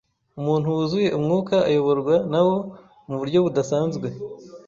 umuntu wuzuye Umwuka ayoborwa nawo mu buryo budasanzwe